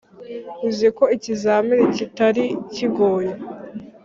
uziko ikizamini kitari kigoye